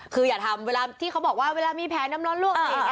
คืออย่าทำเวลาที่เขาบอกว่าเวลามีแพ้น้ำนอนร่วข